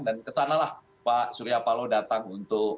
dan kesanalah pak suryapalo datang untuk